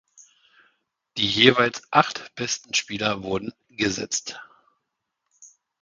Die jeweils acht besten Spieler wurden gesetzt.